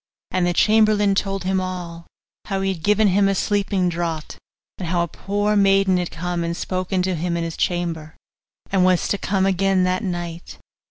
And the chamberlain told him all how he had given him a sleeping draught, and how a poor maiden had come and spoken to him in his chamber, and was to come again that night.